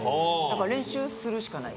練習するしかない。